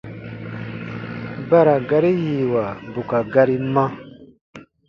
Ba ra gari yiiwa bù ka gari ma.